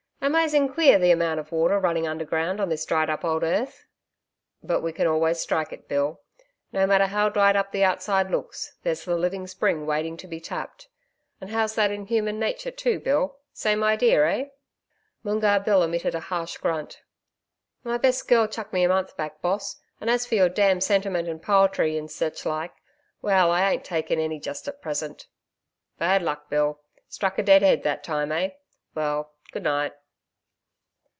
Amazing queer the amount of water running underground on this dried up old earth.' 'But we can always strike it, Bill; no matter how dried up the outside looks, there's the living spring waiting to be tapped. And how's that in human nature too, Bill. Same idea, eh?' Moongarr Bill emitted a harsh grunt. 'My best girl chucked me a month back, boss, and as for your darned sentiment and poetry, and sech like well, I ain't takin' any just at present.' 'Bad luck, Bill! Struck a dead head that time, eh?... Well, good night.'